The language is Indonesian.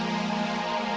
aku mau menikmati mu